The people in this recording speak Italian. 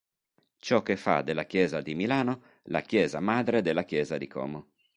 Ciò che fa della Chiesa di Milano la "Chiesa Madre" della Chiesa di Como.